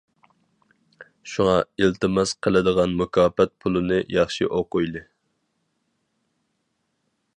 شۇڭا، ئىلتىماس قىلىدىغان مۇكاپات پۇلىنى ياخشى ئوقۇيلى.